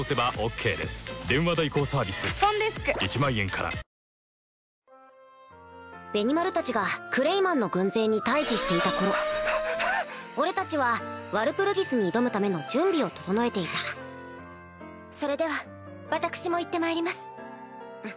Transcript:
これ、ＷＢＣでも外国人投手としてちょっと手元で曲がったり、癖のあるベニマルたちがクレイマンの軍勢に対峙していた頃俺たちはワルプルギスに挑むための準備を整えていたそれでは私も行ってまいります。